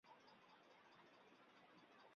格雷斯维莱人口变化图示